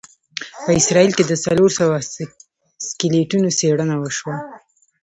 په اسرایل کې د څلوروسوو سکلیټونو څېړنه وشوه.